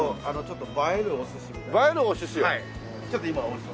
映えるおすし。